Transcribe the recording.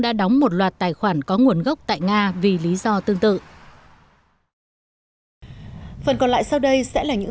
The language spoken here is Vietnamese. đã đóng một loạt tài khoản có nguồn gốc tại nga vì lý do tương tự phần còn lại sau đây sẽ là những